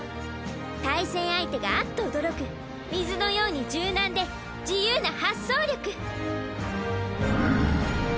対戦相手があっと驚く水のように柔軟で自由な発想力。